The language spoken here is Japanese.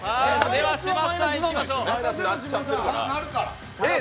では嶋佐さん、いきましょう。